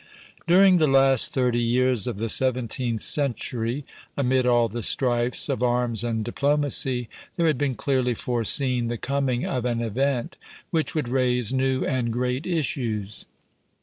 During the last thirty years of the seventeenth century, amid all the strifes of arms and diplomacy, there had been clearly foreseen the coming of an event which would raise new and great issues.